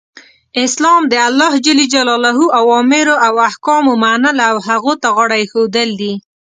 اسلام د الله ج اوامرو او احکامو منل او هغو ته غاړه ایښودل دی .